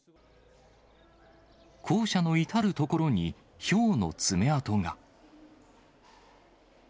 校舎の至る所に、ひょうの爪痕が。